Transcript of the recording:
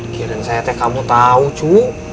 kirain saya teh kamu tau cu